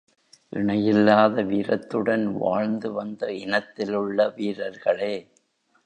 இணையில்லாத வீரத்துடன் வாழ்ந்து வந்த இனத்திலுள்ள வீரர்களே!